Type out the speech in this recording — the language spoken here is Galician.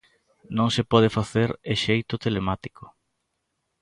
Non se pode facer e xeito telemático.